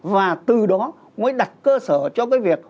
và từ đó mới đặt cơ sở cho cái việc